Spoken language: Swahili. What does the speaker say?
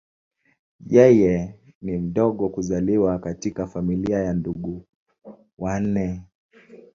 Yeye ni mdogo kuzaliwa katika familia ya ndugu wanne.